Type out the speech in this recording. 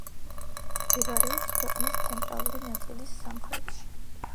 მდებარეობს ქვეყნის ცენტრალური ნაწილის სამხრეთში.